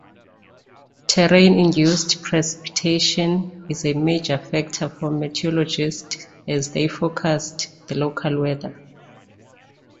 Terrain-induced precipitation is a major factor for meteorologists as they forecast the local weather.